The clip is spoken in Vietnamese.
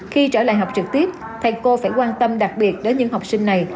khi trở lại học trực tiếp thầy cô phải quan tâm đặc biệt đến những học sinh này